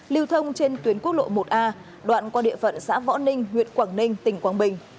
lưu thông trên tuyến quốc lộ một a đoạn qua địa phận xã võ ninh huyện quảng ninh tỉnh quảng bình